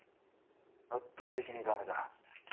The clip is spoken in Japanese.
圧倒的に駄目だ。